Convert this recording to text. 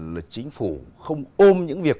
là chính phủ không ôm những việc